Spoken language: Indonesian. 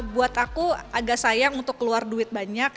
buat aku agak sayang untuk keluar duit banyak